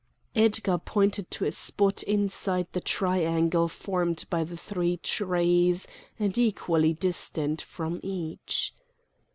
Edgar pointed to a spot inside the triangle formed by the three trees and equally distant from each.